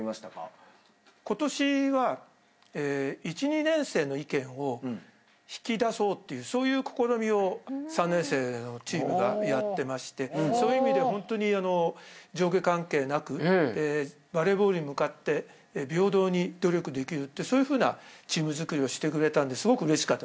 今年は１２年生の意見を引き出そうという試みを３年生のチームがやってましてそういう意味でホントに上下関係なくバレーボールに向かって平等に努力できるってそういうふうなチームづくりをしてくれたんですごくうれしかったですね。